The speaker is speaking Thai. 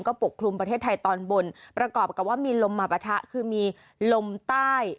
ปกคลุมประเทศไทยตอนบนประกอบกับว่ามีลมมาปะทะคือมีลมใต้